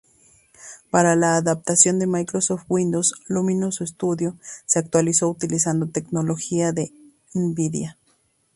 Para la adaptación a Microsoft Windows, Luminous Studio se actualizó utilizando tecnología de Nvidia.